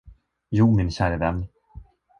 Jo, min käre vän.